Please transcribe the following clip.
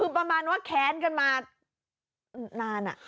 ซึ่งประมาณว่าแค้นกันมานานอ่ะ